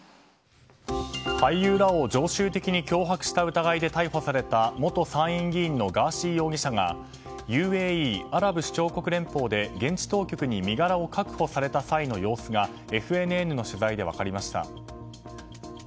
俳優らを常習的に脅迫した疑いで逮捕された元参院議員のガーシー容疑者がＵＡＥ・アラブ首長国連邦で現地当局に身柄を確保された際の様子がＦＮＮの取材で分かりました。